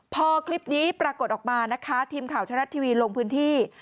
พอคลิปนี้ปรากฏออกมานะคะทีมข่าวทรัฐทีวีลงพื้นที่